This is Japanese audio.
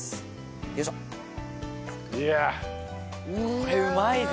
これうまいぞ。